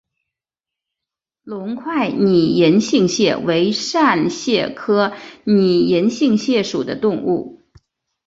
隆块拟银杏蟹为扇蟹科拟银杏蟹属的动物。